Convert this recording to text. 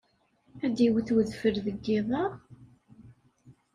Ad d-iwet wedfel deg yiḍ-a?